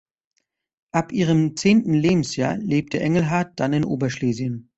Ab ihrem zehnten Lebensjahr lebte Engelhardt dann in Oberschlesien.